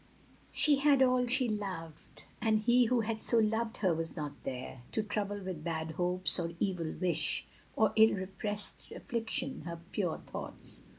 she had all she loved, And he who had so loved her was not there To trouble with bad hopes, or evil wish, Or ill repressed affliction, her pure thoughts.